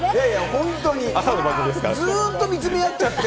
本当にずっと見つめ合っちゃって。